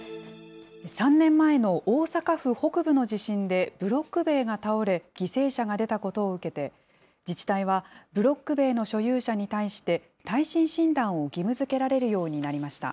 ３年前の大阪府北部の地震でブロック塀が倒れ、犠牲者が出たことを受けて、自治体はブロック塀の所有者に対して、耐震診断を義務づけられるようになりました。